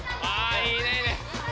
あいいね！